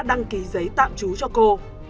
đăng ký giấy tạm trú cho cô